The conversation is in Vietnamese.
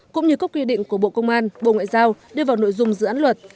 cũng như các quy định của bộ công an bộ ngoại giao đưa vào nội dung dự án luật